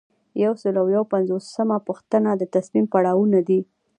یو سل او یو پنځوسمه پوښتنه د تصمیم پړاوونه دي.